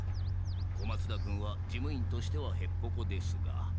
小松田君は事務員としてはヘッポコですが。